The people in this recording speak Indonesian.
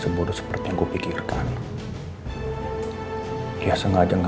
saya ingin mempersegetkan and in silent performance